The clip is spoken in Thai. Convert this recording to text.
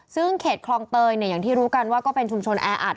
ซึ่งเขตคลองเตยอย่างที่รู้กันว่าก็เป็นชุมชนแออัด